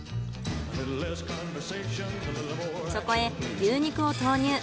そこへ牛肉を投入。